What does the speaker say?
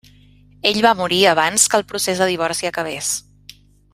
Ell va morir abans que el procés de divorci acabés.